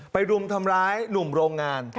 รุมทำร้ายหนุ่มโรงงาน